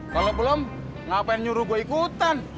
kalau belum ngapain nyuruh gue ikutan